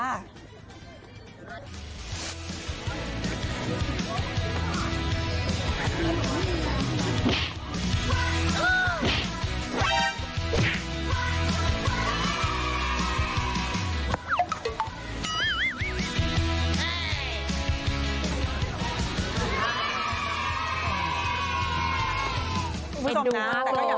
เหมือนกับค่ะ